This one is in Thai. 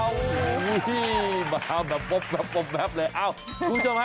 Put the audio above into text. โอ้โหมาฮะมาปุ๊บมาปุ๊บแบบเลย